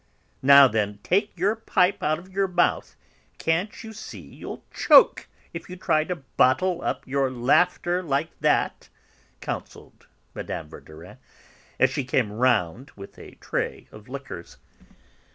"Now, then, take your pipe out of your mouth; can't you see, you'll choke if you try to bottle up your laughter like that," counselled Mme. Verdurin, as she came round with a tray of liqueurs.